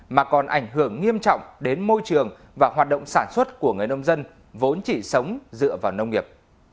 mà còn ảnh hưởng nghiêm trọng đến môi trường và hoạt động sản xuất của người nông dân vốn chỉ sống dựa vào nông nghiệp